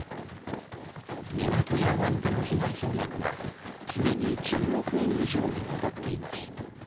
港や湾での被害総額はすでに１０億円以上に上っています。